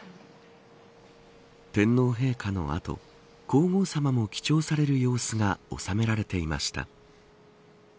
天皇陛下の後皇后さまも記帳される様子が収められていました。